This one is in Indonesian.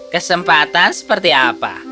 kesempatan seperti apa